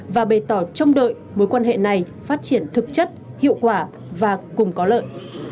và bày tỏ trông đợi mối quan hệ này phát triển thực chất hiệu quả và cùng có lợi